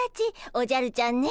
おじゃるちゃんね